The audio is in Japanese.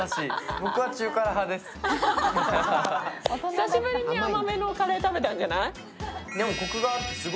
久しぶりに甘めのカレー食べたんじゃない？